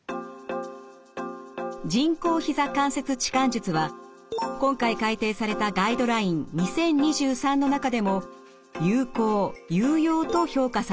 人工ひざ関節置換術は今回改訂された「ガイドライン２０２３」の中でも有効有用と評価されています。